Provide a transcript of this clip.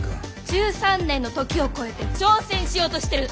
１３年の時を超えて挑戦しようとしてる。